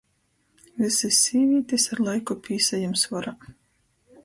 Vysys sīvītis ar laiku pīsajem svorā...